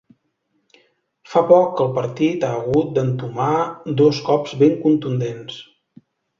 Fa poc que el partit ha hagut d’entomar dos cops ben contundents.